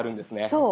そう！